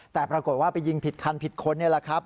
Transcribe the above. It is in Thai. แต่ปรากฏว่าไปยิงผิดคันผิดคนนี่แหละครับ